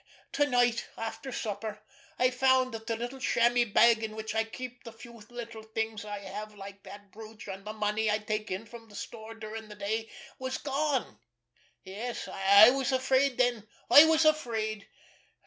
To night, after supper, I found that the little chamois bag in which I keep the few little things I have like that brooch, and the money I take in from the store during the day, was gone. Yes, I was afraid then. I was afraid.